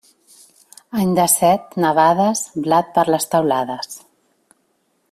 Any de set nevades, blat per les teulades.